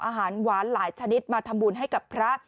อาหารหวานหลายชนิดมาทำบุญให้กับพระ